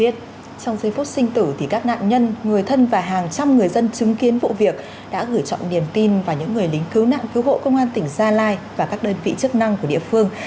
trong giây phút sinh tử các nạn nhân người thân và hàng trăm người dân chứng kiến vụ việc đã gửi trọng niềm tin vào những người lính cứu nạn cứu hộ công an tỉnh gia lai và các đơn vị chức năng của địa phương